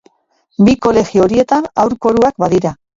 Bi kolegio horietan haur koruak badira.